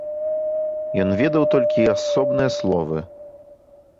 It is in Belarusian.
Ён ведаў толькі асобныя словы.